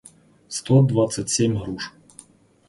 сто двадцать семь груш